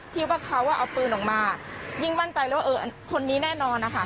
ที่ว่าเขาเอาปืนออกมายิ่งมั่นใจเลยว่าเออคนนี้แน่นอนนะคะ